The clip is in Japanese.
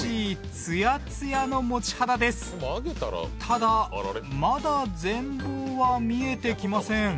ただまだ全貌は見えてきません。